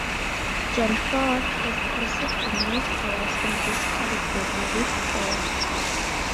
John Ford has received the most awards in this category with four.